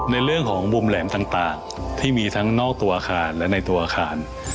ในเรื่องของมุมแหลมต่างที่มีทั้งนอกตัวอาคารและในตัวอาคาร